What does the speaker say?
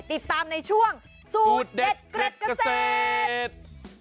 ติดตามในช่วงสูตรเด็ดเกร็ดเกษตร